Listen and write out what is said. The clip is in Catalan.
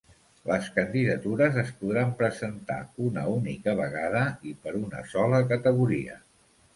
Les candidatures es podran presentar una única vegada i per una sola categoria.